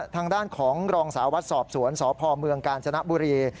ทางด้านของรองสาววัดสอบสวนสพเมืองกาญจนบุรี